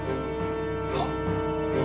はっ。